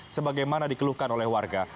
sebagaimana dikeluhkan oleh warga